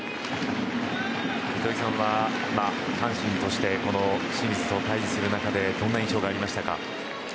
糸井さんは阪神として清水と対峙する中でどんな印象がありましたか。